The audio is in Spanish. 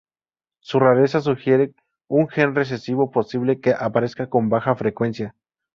Su rareza sugiere un gen recesivo posible que aparece con baja frecuencia.